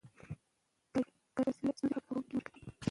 کاري حافظه ستونزې حل کولو کې مرسته کوي.